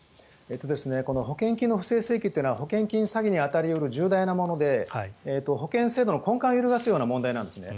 この保険金の不正請求というのは保険金詐欺に当たり得る重大なもので保険制度の根幹を揺るがすような問題なんですね。